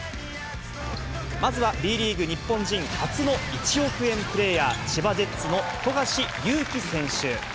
まずはＢリーグ日本人初の１億円プレーヤー、千葉ジェッツの富樫勇樹選手。